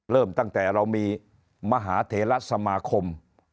เริ่มตั้งแต่เรามีมหาเทระสมาคม